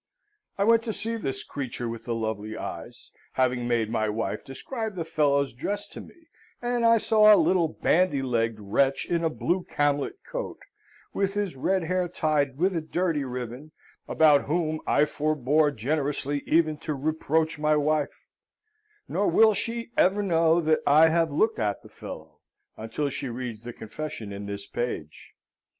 I went to see this creature with the lovely eyes, having made my wife describe the fellow's dress to me, and I saw a little bandy legged wretch in a blue camlet coat, with his red hair tied with a dirty ribbon, about whom I forbore generously even to reproach my wife; nor will she ever know that I have looked at the fellow, until she reads the confession in this page.